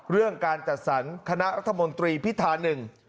เรื่องการจัดสรรคณะรัฐมนตรีพิธาหนึ่ง